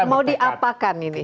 mau diapakan ini